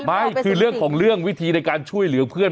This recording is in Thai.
ไม่คือเรื่องของเรื่องวิธีในการช่วยเหลือเพื่อน